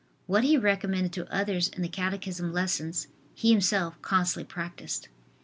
What he recommended to others in the catechism lessons, he himself constantly practiced.